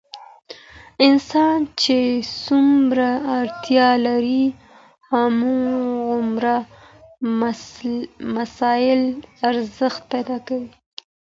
انسان چي څومره اړتیا لري هماغومره مسایل ارزښت پیدا کوي.